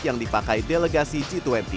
yang dipakai delegasi g dua puluh